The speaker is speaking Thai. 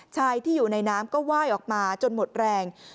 ชายที่อยู่ในน้ำก็ไหว้ออกมาจนหมดแรง